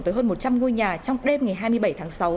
tới hơn một trăm linh ngôi nhà trong đêm ngày hai mươi bảy tháng sáu